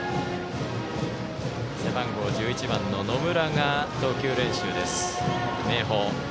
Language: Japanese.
背番号１１番の野村が投球練習です、明豊。